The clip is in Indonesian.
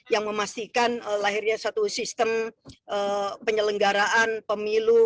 yang memastikan lahirnya satu sistem penyelenggaraan pemilu